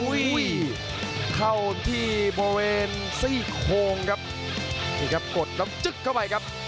เข้าที่บริเวณซี่โคงครับนี่ครับกดน้ำจึ๊กเข้าไปครับ